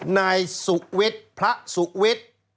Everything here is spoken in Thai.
นายสุวิทย์พระสุวิทย์